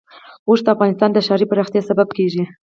اوښ د افغانستان د ښاري پراختیا سبب کېږي.